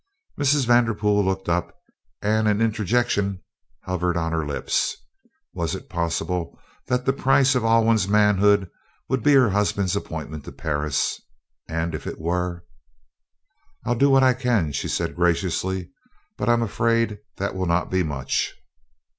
Mrs. Vanderpool looked up, and an interjection hovered on her lips. Was it possible that the price of Alwyn's manhood would be her husband's appointment to Paris? And if it were? "I'll do what I can," she said graciously; "but I am afraid that will not be much."